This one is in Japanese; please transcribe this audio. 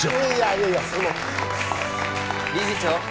いやいやその理事長